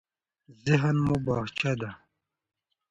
ذهن مو باغچه ده.